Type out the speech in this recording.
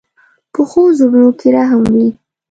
پخو زړونو کې رحم وي